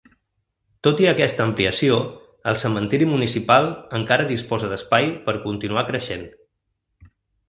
Tot i aquesta ampliació el cementiri municipal encara disposa d’espai per continuar creixent.